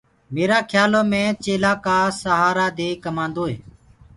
ميرآ کيآلو مي چيلآن ڪآ سهآرآ دي ڪمآندوئي